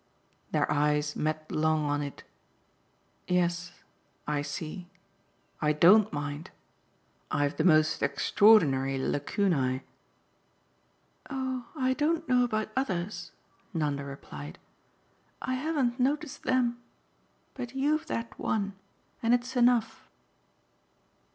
Their eyes met long on it. "Yes I see. I DON'T mind. I've the most extraordinary lacunae." "Oh I don't know about others," Nanda replied; "I haven't noticed them. But you've that one, and it's enough."